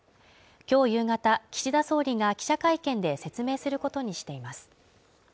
今日夕方、岸田総理が記者会見で説明することにしています。